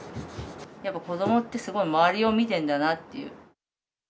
やっぱり子どもってすごい周りを見てるんだなって。